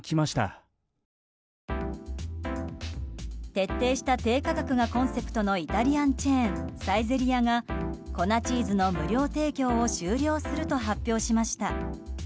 徹底した低価格がコンセプトのイタリアンチェーンサイゼリヤが粉チーズの無料提供を終了すると発表しました。